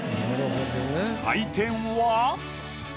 採点は。